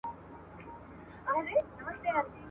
تاريخي پېښې تر افسانو زياتې يادېږي.